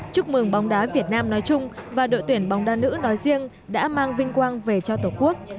chúc mừng bóng đá việt nam nói chung và đội tuyển bóng đá nữ nói riêng đã mang vinh quang về cho tổ quốc